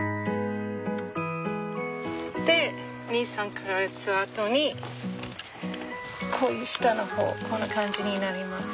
で２３か月あとにこういう下の方こんな感じになります。